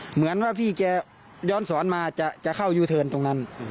เหมือนว่าพี่แกย้อนสอนมาจะเข้ายูเทิร์นตรงนั้น